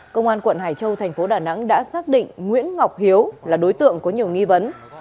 công an quận hải châu thành phố đà nẵng đã xác định nguyễn ngọc hiếu là đối tượng có nhiều nghi vấn